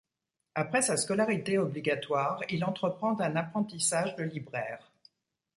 Après sa scolarité obligatoire, il entreprend un apprentissage de libraire.